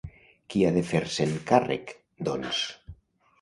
Qui ha de fer-se'n càrrec, doncs?